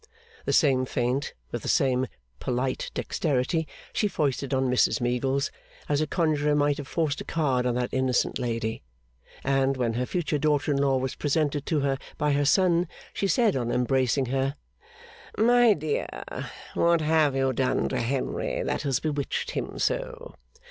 The same feint, with the same polite dexterity, she foisted on Mrs Meagles, as a conjuror might have forced a card on that innocent lady; and, when her future daughter in law was presented to her by her son, she said on embracing her, 'My dear, what have you done to Henry that has bewitched him so!